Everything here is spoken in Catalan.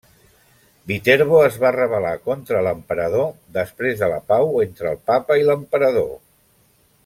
Viterbo es va rebel·lar contra l'emperador després de la pau entre el papa i l'emperador.